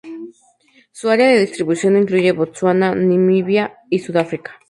Su área de distribución incluye Botsuana, Namibia y Sudáfrica.